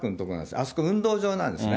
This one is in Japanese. あそこ運動場なんですね。